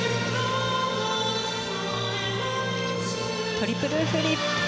トリプルフリップ。